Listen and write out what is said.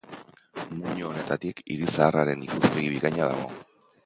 Muino honetatik hiri zaharraren ikuspegi bikaina dago.